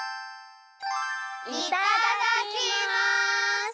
いただきます！